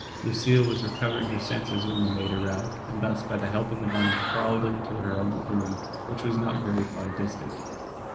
Lucille was recovering her senses when the maid arrived, and thus by the help of an arm crawled into her own room, which was not very far distant.